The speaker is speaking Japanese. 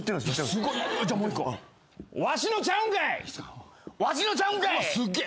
わしのちゃうんかい！